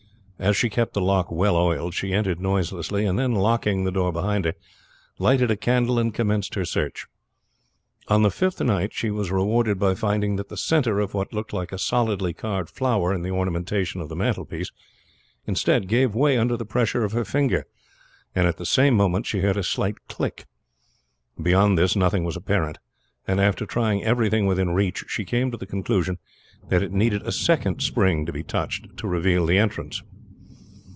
As she kept the lock well oiled she entered noiselessly, and then locking the door behind her lighted a candle and commenced her search. On the fifth night she was rewarded by finding that the center of what looked like a solidly carved flower in the ornamentation of the mantelpiece gave way under the pressure of her finger, and at the same moment she heard a slight click. Beyond this nothing was apparent; and after trying everything within reach she came to the conclusion that it needed a second spring to be touched to reveal the entrance.